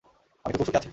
আমি তো খুব সুখে আছি।